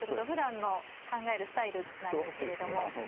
ふだんの考えるスタイルなんですけれども。